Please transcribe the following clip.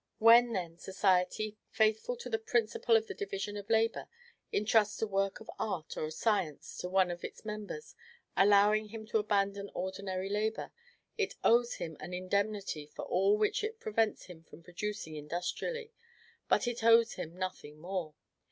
When, then, society faithful to the principle of the division of labor intrusts a work of art or of science to one of its members, allowing him to abandon ordinary labor, it owes him an indemnity for all which it prevents him from producing industrially; but it owes him nothing more.